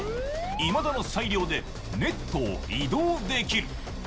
今田の裁量でネットを移動できる。